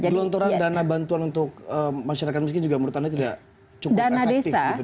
gelontoran dana bantuan untuk masyarakat miskin juga menurut anda tidak cukup efektif gitu